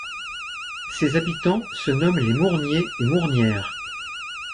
Ses habitants se nomment les Mourniers et Mournières.